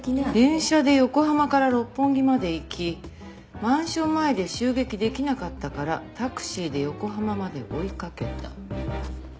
電車で横浜から六本木まで行きマンション前で襲撃できなかったからタクシーで横浜まで追いかけた。